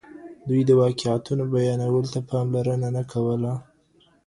دوی د واقعيتونو بيانولو ته پاملرنه نه کوله.